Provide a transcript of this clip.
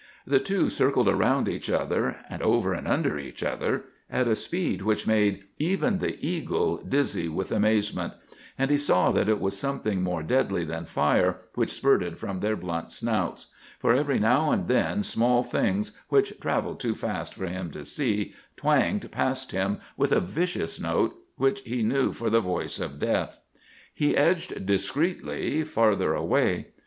The two circled around each other, and over and under each other, at a speed which made even the eagle dizzy with amazement; and he saw that it was something more deadly than fire which spurted from their blunt snouts; for every now and then small things, which travelled too fast for him to see, twanged past him with a vicious note which he knew for the voice of death. He edged discreetly farther away.